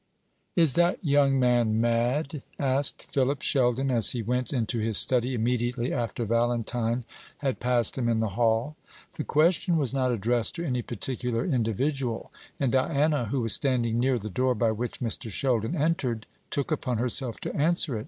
"Is that young man mad?" asked Philip Sheldon, as he went into his study immediately after Valentine had passed him in the hall. The question was not addressed to any particular individual; and Diana, who was standing near the door by which Mr. Sheldon entered, took upon herself to answer it.